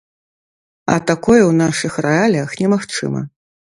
А такое ў нашых рэаліях немагчыма.